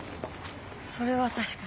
それは確かに。